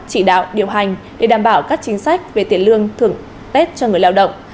chỉ đạo điều hành để đảm bảo các chính sách về tiền lương thưởng tết cho người lao động